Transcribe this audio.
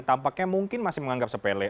tampaknya mungkin masih menganggap sepele